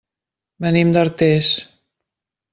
Venim d'Artés.